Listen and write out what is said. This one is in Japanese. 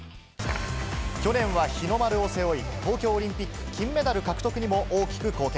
去年は日の丸を背負い、東京オリンピック金メダル獲得にも大きく貢献。